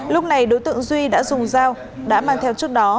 lúc này đối tượng duy đã dùng dao đã mang theo trước đó